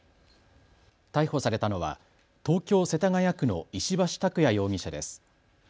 逮捕されたのは東京世田谷区の石橋拓也容疑者です。